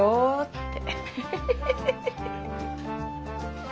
って。